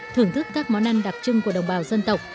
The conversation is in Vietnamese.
thưởng thức các món ăn đặc trưng của đồng bào dân tộc